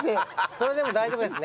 それでも大丈夫ですね。